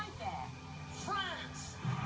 ข้อมูลเข้ามาดูครับ